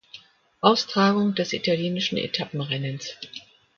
Austragung des italienischen Etappenrennens.